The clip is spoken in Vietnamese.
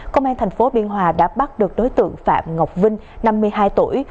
công an tp biên hòa đã bắt được đối tượng phạm ngọc vinh năm mươi hai tuổi